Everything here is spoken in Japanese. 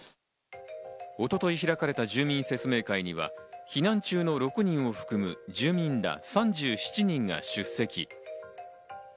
一昨日開かれた住民説明会には避難中の６人を含む住民ら３７人が出席。